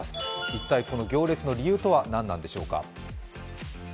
一体、この行列の理由とは何なんでしょうか？